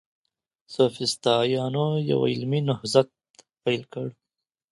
سوفسطائيانو يو علمي نهضت پيل کړ.